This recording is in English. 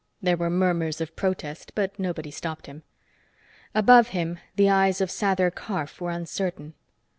There were murmurs of protest, but nobody stopped him. Above him, the eyes of Sather Karf were uncertain.